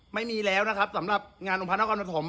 ไม่มีแล้วนะครับสำหรับงานองพระนครปฐม